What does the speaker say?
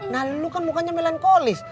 nah lo kan mukanya melankolis